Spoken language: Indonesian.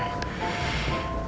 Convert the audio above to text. biar gak telat